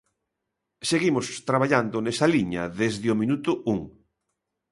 Seguimos traballando nesa liña desde o minuto un.